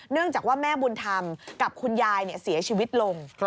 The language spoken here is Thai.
จากว่าแม่บุญธรรมกับคุณยายเสียชีวิตลง